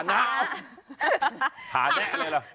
ฐานะฐานะอะไรเหรอ